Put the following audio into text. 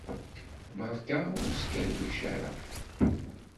Beṛka ur skerwic ara!